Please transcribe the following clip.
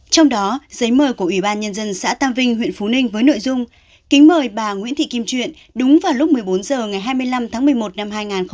trong đó giấy mời của ủy ban nhân dân xã tam vinh huyện phú ninh với nội dung kính mời bà nguyễn thị kim truyện đúng vào lúc một mươi bốn h ngày hai mươi năm tháng một mươi một năm hai nghìn hai mươi